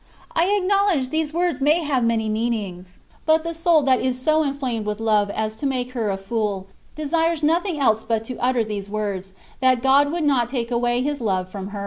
I acknowledge these words may have many meanings ; but the soul that is so inflamed with love as to make her a fool, desires nothing else but to utter these words, that God would not take away His love from her.